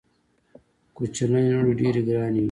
کوچنۍ لوڼي ډېري ګراني وي.